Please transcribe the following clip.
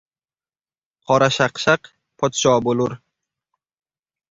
Qorashaqshaq podsho bo'lur.